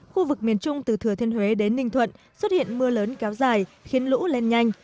khu vực miền trung từ thừa thiên huế đến ninh thuận xuất hiện mưa lớn kéo dài khiến lũ lên nhanh